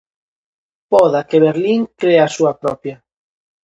Poda que Berlín cree a súa propia.